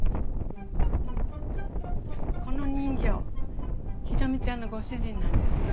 この人形宏美ちゃんのご主人なんですよ。